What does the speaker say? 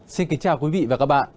xin kính chào quý vị và các bạn